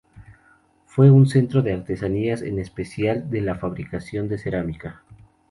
Fue un centro de artesanías, en especial de la fabricación de cerámica.